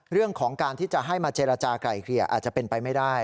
เรื่องของการที่จะให้มาเจรจากลายเกลี่ยอาจจะเป็นไปไม่ได้